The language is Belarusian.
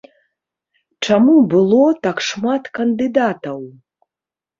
Чаму было так шмат кандыдатаў?